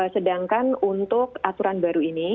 sedangkan untuk aturan baru ini